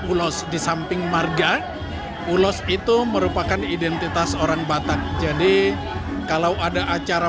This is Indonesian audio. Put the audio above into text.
ulos di samping marga ulos itu merupakan identitas orang batak jadi kalau ada acara